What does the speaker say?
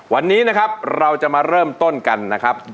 วันนี้นะครับเราจะมาเริ่มต้นกันนะครับ